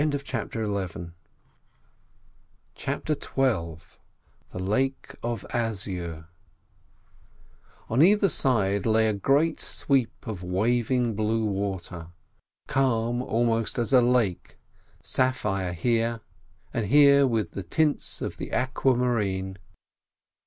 CHAPTER XII THE LAKE OF AZURE On either side lay a great sweep of waving blue water. Calm, almost as a lake, sapphire here, and here with the tints of the aqua marine.